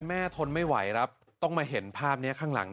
แม่ทนไม่ไหวต้องมาเห็นภาพมันข้างหลัง